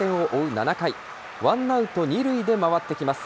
７回、ワンアウト２塁で回ってきます。